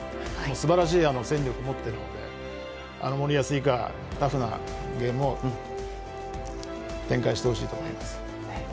すばらしい戦力を持っているので森保以下、タフなゲームを展開してほしいと思います。